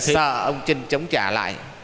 và ông trinh chống trả lại